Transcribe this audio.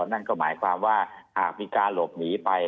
นั่นก็หมายความว่าหากมีการหลบหนีไป